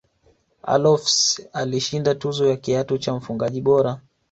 allofs alishinda tuzo ya kiatu cha mfungaji bora